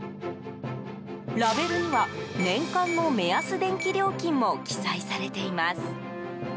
ラベルには年間の目安電気料金も記載されています。